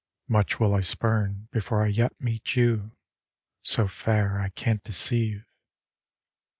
Much will I spurn before I yet meet you, So fair I can't deceive.